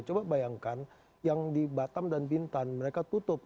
coba bayangkan yang di batam dan bintan mereka tutup